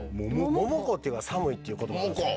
「モモコ」っていうのが寒いっていう言葉なんですよ。